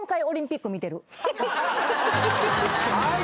はい。